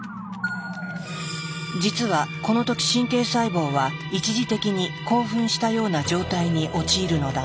実はこの時神経細胞は一時的に興奮したような状態に陥るのだ。